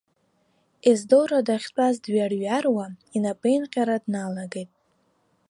Ездора дахьтәаз дҩарҩаруа инапеинҟьара дналагеит.